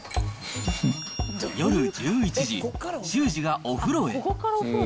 夜１１時、修士がお風呂へ。